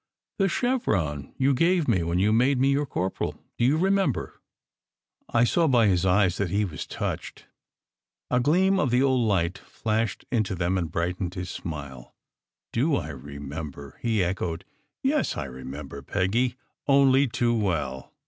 The chevron you gave me when you made me your corporal. Do you remember?" I saw by his eyes that he was touched. A gleam of the old light flashed into them, and brightened his smile. " Do SECRET HISTORY 285 I remember?" he echoed. "Yes, I remember, Peggy, only too well.